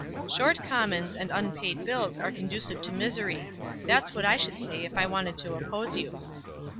"Short commons and unpaid bills are conducive to misery. That's what I should say if I wanted to oppose you."